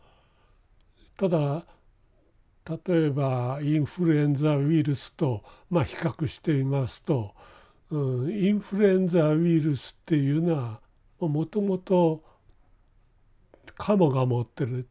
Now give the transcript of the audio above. ただ例えばインフルエンザウイルスとまあ比較してみますとインフルエンザウイルスっていうのはもともとカモが持ってる鳥類のウイルスなんですね。